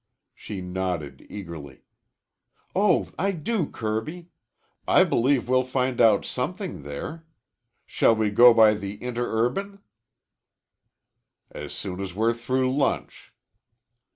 She nodded, eagerly. "Oh, I do, Kirby! I believe we'll find out something there. Shall we go by the interurban?" "As soon as we're through lunch."